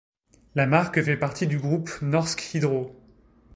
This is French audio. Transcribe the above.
La marque fait partie du groupe Norsk Hydro.